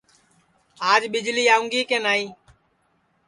آج ٻجݪی آؤںگی کے نائی